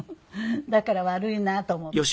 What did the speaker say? だから悪いなと思った。